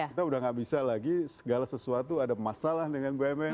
kita udah gak bisa lagi segala sesuatu ada masalah dengan bumn